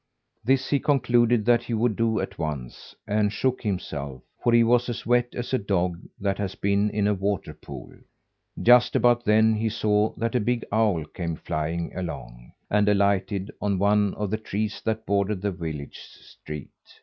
This he concluded that he would do at once, and shook himself for he was as wet as a dog that has been in a water pool. Just about then he saw that a big owl came flying along, and alighted on one of the trees that bordered the village street.